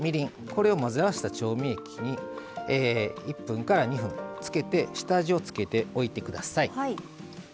これを混ぜ合わせた調味液に１２分つけて下味を付けておいて下さい。